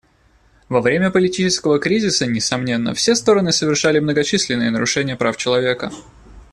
Во время политического кризиса, несомненно, все стороны совершали многочисленные нарушения прав человека.